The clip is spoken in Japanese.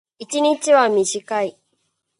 一日は短い。